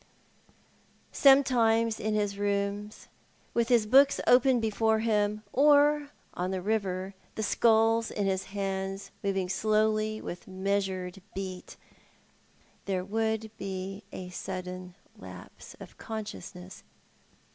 Sometimes, in his rooms, with his books open before him, or on the river, the sculls in his hands moving slowly with measured beat, there would be a sudden lapse of consciousness.